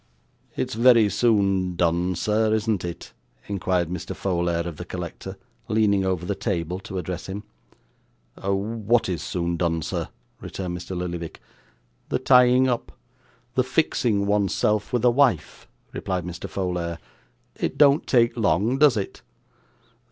'It's very soon done, sir, isn't it?' inquired Mr. Folair of the collector, leaning over the table to address him. 'What is soon done, sir?' returned Mr. Lillyvick. 'The tying up the fixing oneself with a wife,' replied Mr. Folair. 'It don't take long, does it?